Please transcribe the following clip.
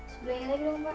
sebelahnya lagi dong pak